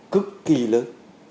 cực kỳ lớn